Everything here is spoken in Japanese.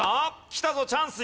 きたぞチャンス！